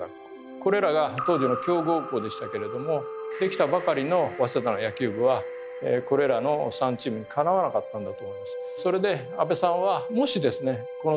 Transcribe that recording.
これらが当時の強豪校でしたけれども出来たばかりの早稲田の野球部はこれらの３チームにかなわなかったんだと思います。